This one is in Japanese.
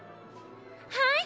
はい！